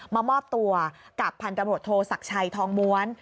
มามอบตัวกับพันธุ์กระบวดโทษศักดิ์ชัยทองมวล